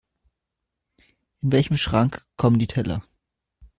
In welchen Schrank kommen die Teller?